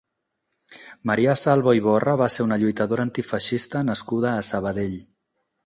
Maria Salvo Iborra va ser una lluitadora antifeixista nascuda a Sabadell.